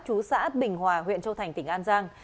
chú xã bình hòa huyện châu thành tỉnh an giang